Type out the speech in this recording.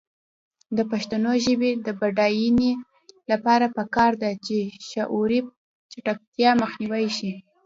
د پښتو ژبې د بډاینې لپاره پکار ده چې شعوري چټکتیا مخنیوی شي.